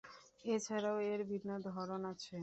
এছাড়াও এর বিভিন্ন ধরন আছে।